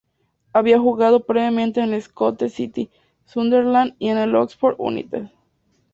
Había jugado previamente en el Stoke City, Sunderland y en el Oxford United.